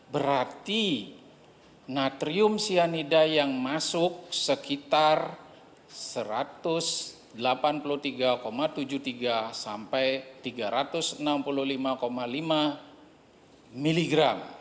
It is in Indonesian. berarti natrium cyanida yang masuk sekitar satu ratus delapan puluh tiga tujuh puluh tiga sampai tiga ratus enam puluh lima lima mg